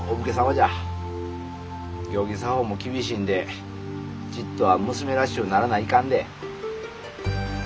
行儀作法も厳しいんでちっとは娘らしゅうならないかんで。